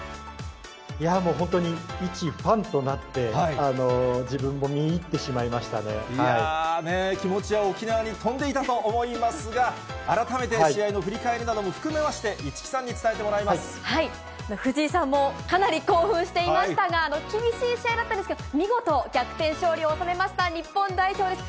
本当に一ファンとなって、いやー、気持ちは沖縄に飛んでいたと思いますが、改めて試合の振り返りなども含めまして、市來さんに伝えてもらい藤井さんもかなり興奮していましたが、厳しい試合だったんですけど、見事、逆転勝利を収めました日本代表です。